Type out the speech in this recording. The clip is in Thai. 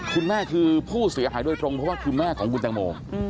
คุณแม่คือผู้เสียหายโดยตรงเพราะว่าคือแม่ของคุณแตงโม